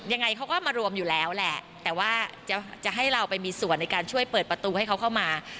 ยังไงเขาก็มารวมอยู่แล้วแหละแต่ว่าจะให้เราไปมีส่วนในการช่วยเปิดประตูให้เขาเข้ามา